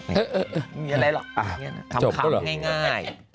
เออมีอะไรหรอกทำคำง่าย